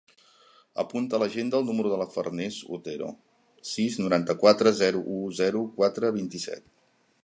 Apunta a l'agenda el número de la Farners Otero: sis, noranta-quatre, zero, u, zero, quatre, vint-i-set.